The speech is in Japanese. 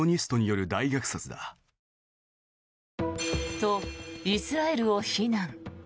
と、イスラエルを非難。